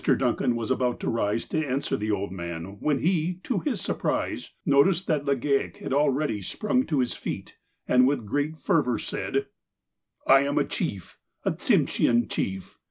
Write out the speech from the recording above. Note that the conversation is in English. Duncan was about to rise to answer the old man when he, to his surprise, noticed that Legaic had already sprung to his feet, and with great fervour said : ''I am a chief,— a Tsimshean chief.